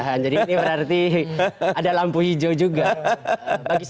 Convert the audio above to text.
sehingga kemudian memperlihatkan punto p accusing profiler